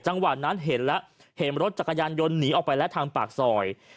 จังหวะนั้นเห็นแล้วเห็นรถจักรยานยนต์หนีออกไปแล้วทางปากซอย